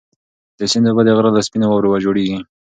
د سیند اوبه د غره له سپینو واورو جوړېږي.